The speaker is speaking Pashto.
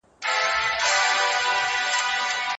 نن سبا په ټولنیزو رسنیو کې په خپله ژبه لیکل کوو.